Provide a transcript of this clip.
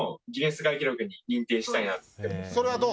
それはどう？